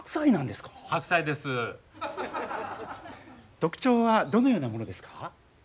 特徴はどのようなものですか？